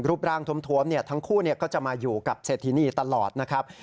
รูปร่างทวมทั้งคู่ก็จะมาอยู่กับเศรษฐินีตลอดนะครับ